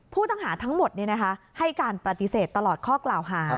ผู้ต้องหาทั้งหมดให้การปฏิเสธตลอดข้อกล่าวหา